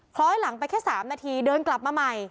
คล้อยหลังไปแค่๓นาทีเดินกลับมาใหม่